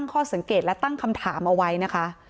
ข้อสังเกตและตั้งคำถามเอาไว้นะคะ